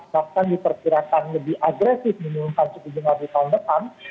bahkan diperkirakan lebih agresif menunggukan spesifikasi keunggulan di tahun depan